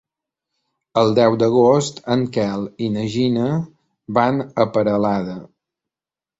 El deu d'agost en Quel i na Gina van a Peralada.